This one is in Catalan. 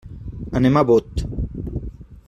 Anem a Bot.